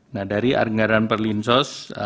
nah dari anggaran perlinsos